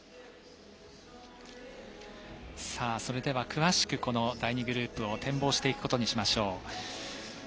それでは、詳しく第２グループを展望していくことにしましょう。